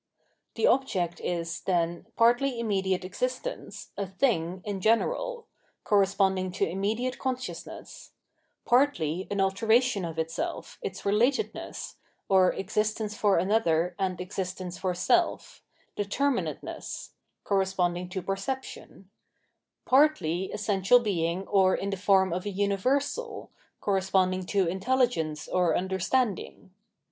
The object is, then, partly immediate existence, a thing in general — correspon^ng to immediate con sciousness partly an alteration of itself, its relatedness, (or existence for anotherand existence for selE),deiermm ateness — corresponding to perception ; partly essential being or in the form of a universal — corresponding to intelligence or understanding.